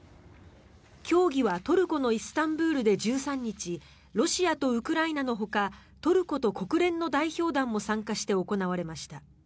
協議はトルコのイスタンブールで１３日ロシアとウクライナのほかトルコと国連の代表団も参加して行われました。